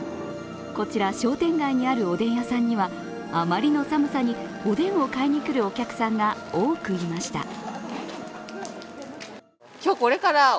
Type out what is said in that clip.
こちら、商店街にあるおでん屋さんにはあまりの寒さにおでんを買いに来るお客さんが多くいました。